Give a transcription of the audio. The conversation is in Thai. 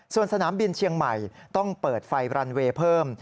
ส่วนสนามบินเชียงใหม่ต้องเปิดไฟรันเวย์เพิ่ม